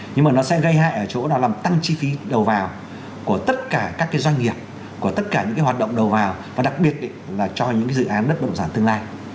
nhưng mà nó sẽ gây hại ở chỗ nó làm tăng chi phí đầu vào của tất cả các cái doanh nghiệp của tất cả những cái hoạt động đầu vào và đặc biệt là cho những cái dự án đất bộ sản tương lai